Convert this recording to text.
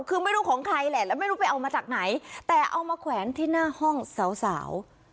คือไม่รู้ของใครแหละแล้วไม่รู้ไปเอามาจากไหนแต่เอามาแขวนที่หน้าห้องสาว